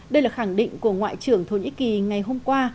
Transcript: đây là khẳng định của ngoại trưởng thổ nhĩ kỳ ngày hôm qua